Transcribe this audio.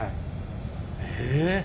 え。